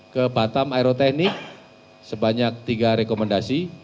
ke batam aeroteknik sebanyak tiga rekomendasi